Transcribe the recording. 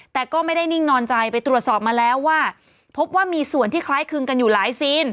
แต่ก็ไม่ได้นิ่งนอนใจไปตรวจสอบมาแล้วว่าพบว่ามีส่วนที่คล้ายคลึงกันอยู่หลายซีน